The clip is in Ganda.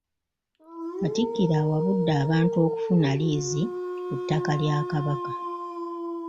Katikkiro awabudde abantu okufuna liizi ku ttaka lya Kabaka.